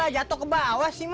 jatoh ke bawah